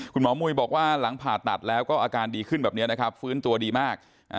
มุยบอกว่าหลังผ่าตัดแล้วก็อาการดีขึ้นแบบนี้นะครับฟื้นตัวดีมาก